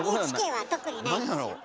ＮＨＫは特にないですよ。